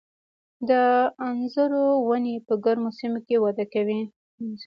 د انځرو ونې په ګرمو سیمو کې وده کوي.